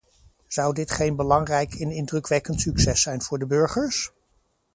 Zou dit geen belangrijk en indrukwekkend succes zijn voor de burgers?